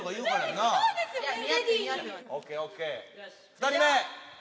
２人目！